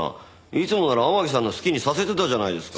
いつもなら天樹さんの好きにさせてたじゃないですか。